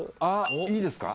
いいですか？